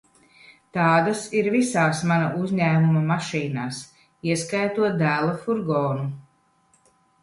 Tādas ir visās mana uzņēmuma mašīnās, ieskaitot dēla furgonu.